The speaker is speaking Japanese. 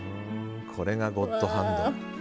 これがゴッドハンド。